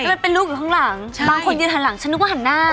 มันเป็นลูกอยู่ข้างหลังบางคนยืนหันหลังฉันนึกว่าหันหน้า